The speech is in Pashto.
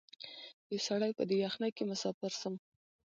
یو سړی په دې یخنۍ کي مسافر سو